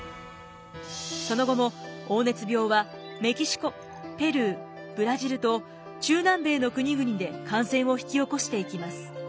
その後も黄熱病はメキシコペルーブラジルと中南米の国々で感染を引き起こしていきます。